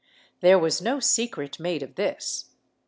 There was no secret made of this.